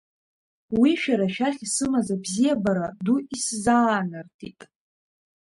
Уи шәара шәахь исымаз абзиабара ду исзаанартит.